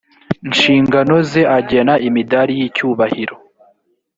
nshingano ze agena imidari y icyubahiro